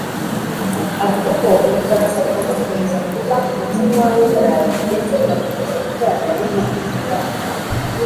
avuga ko u Bufaransa bugomba gukomeza kuba umutima w’u Burayi ndetse bugakomeza gukorana n’ibihugu bituranye